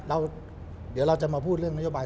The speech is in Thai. เดี๋ยวเราจะมาพูดเรื่องนโยบาย